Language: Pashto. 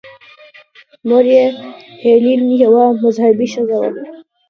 مور یې هیلین یوه مذهبي ښځه وه.